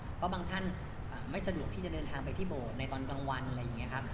เพราะบางท่านไม่สะดวกที่จะเดินทางไปที่โบสถ์ในตอนกลางวันอะไรอย่างนี้ครับ